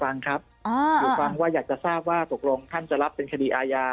ฟังครับอยู่ฟังว่าอยากจะทราบว่าตกลงท่านจะรับเป็นคดีอาญา